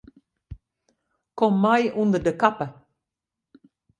Kom mei ûnder de kappe.